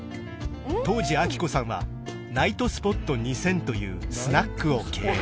当時アキコさんはナイトスポット２０００というスナックを経営